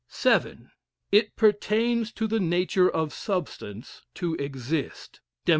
VII. It pertains to the nature of substance to exist. Dem.